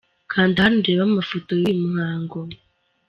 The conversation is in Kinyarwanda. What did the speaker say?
Kanda hano urebe amafoto y’uyu muhango.